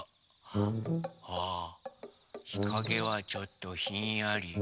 あひかげはちょっとひんやり。